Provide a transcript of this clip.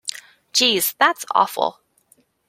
Jeez, that's awful!